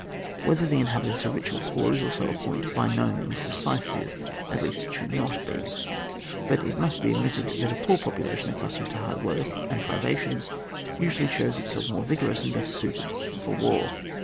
Whether the inhabitants are rich or poor is also a point by no means decisive, at least it should not be ; but it must be admitted that a poor population accustomed to hard work and privations usually shows itself more vigorous and better suited for war.